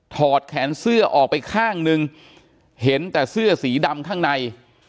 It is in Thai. อดแขนเสื้อออกไปข้างนึงเห็นแต่เสื้อสีดำข้างใน